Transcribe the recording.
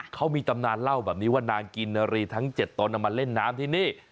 เขามีตำนานเล่าแบบนี้ว่านางกินนารีทั้ง๗ตนเอามาเล่นน้ำที่นี่